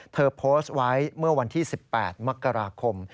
เธอโพสต์ไว้เมื่อวันที่๑๘มกราคม